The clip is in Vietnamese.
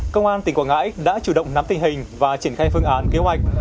công an tỉnh quảng ngãi đã chủ động nắm tình hình và triển khai phương án kế hoạch